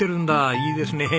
いいですねえ。